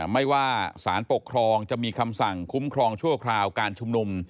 ไม่ว่าสารปกครองจะมีคำสั่งคุ้มครองชั่วคราวการชุมนุม